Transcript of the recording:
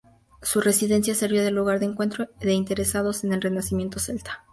Su residencia servía de lugar de encuentro de interesados en el renacimiento celta.